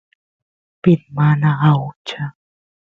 pit mana aucha